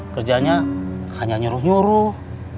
kerjanya hanya nyuruh nyuruh